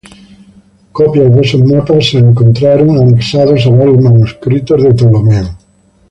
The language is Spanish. Copias de esos mapas son encontrados anexados a varios manuscritos de Ptolomeo.